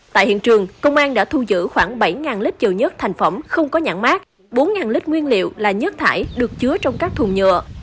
tại hiện trường công an đã thu giữ khoảng bảy lít chầu nhất thành phẩm không có nhãn mát bốn lít nguyên liệu là nhất thải được chứa trong các thùng nhựa